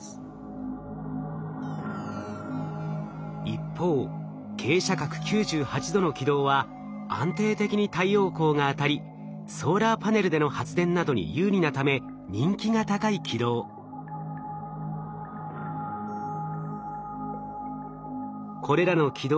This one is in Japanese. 一方傾斜角９８度の軌道は安定的に太陽光が当たりソーラーパネルでの発電などに有利なため人気が高い軌道。